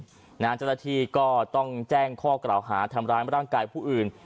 เจ้าหน้าที่ก็ต้องแจ้งข้อกล่าวหาทำร้ายร่างกายผู้อื่น